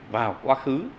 vào quá khứ